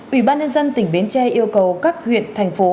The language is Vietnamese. ubnd tỉnh bến tre yêu cầu các huyện thành phố